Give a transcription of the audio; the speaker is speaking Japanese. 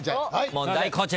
問題こちら。